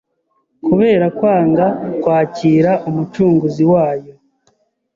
kubera kwanga kwakira Umucunguzi wayo